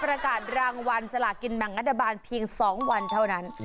ประกาศรางวัลสลากินแบ่งรัฐบาลเพียง๒วันเท่านั้น